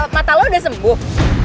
mata lo udah sembuh